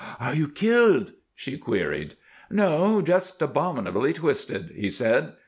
"Are you killed?" she queried. "No; just abominably twisted," he said.